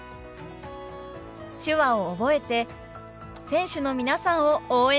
手話を覚えて選手の皆さんを応援しましょう！